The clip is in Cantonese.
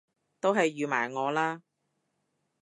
都係預埋我啦！